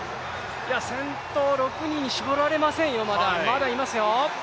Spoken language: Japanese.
先頭６人に絞られませんよ、まだいますよ。